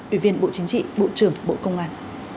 ủy viên bộ chính trị bộ trưởng bộ công an